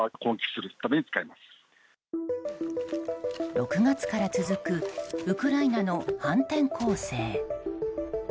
６月から続くウクライナの反転攻勢。